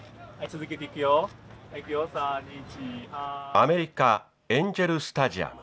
アメリカエンジェルスタジアム。